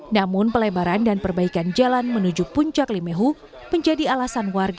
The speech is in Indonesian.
namun pelebaran dan perbaikan jalan menuju puncak limehu menjadi alasan warga